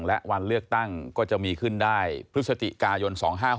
และวันเลือกตั้งก็จะมีขึ้นได้พฤศจิกายน๒๕๖๖